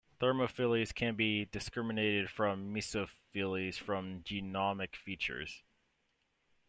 Thermophiles can be discriminated from mesophiles from genomic features.